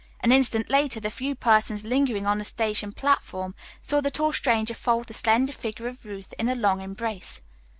An instant later the few persons lingering on the station platform saw the tall stranger fold the slender figure of Ruth in a long embrace.